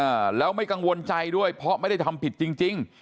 อ่าแล้วไม่กังวลใจด้วยเพราะไม่ได้ทำผิดจริงจริง